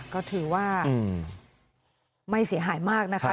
ก็ถือว่าไม่เสียหายมากนะคะ